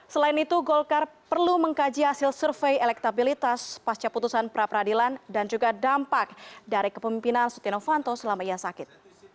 selain itu golkar perlu mengkaji hasil survei elektabilitas pasca putusan pra peradilan dan juga dampak dari kepemimpinan setia novanto selama ia sakit